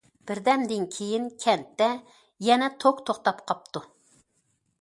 بىردەمدىن كېيىن كەنتتە يەنە توك توختاپ قاپتۇ.